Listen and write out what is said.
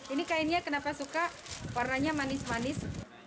ini kainnya kenapa suka warnanya manis manis